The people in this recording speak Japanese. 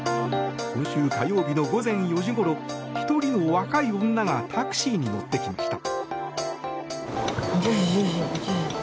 今週火曜日の午前４時ごろ１人の若い女がタクシーに乗ってきました。